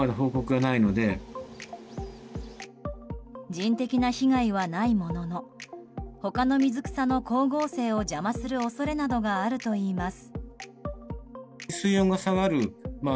人的な被害はないものの他の水草の光合成を邪魔する恐れなどがあるといいます。